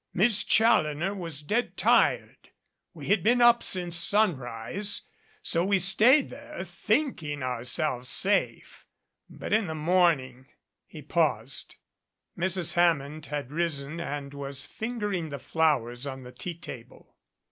Miss Challoner was dead tired. We had been up since sunrise. So we stayed there, thinking ourselves safe. But in the morn ing " He paused. Mrs. Hammond had risen and was fingering the flow ers on the tea table.